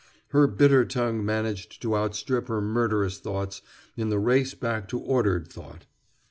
Her bitter tongue managed to outstrip her murderous thoughts in the race back to ordered thought.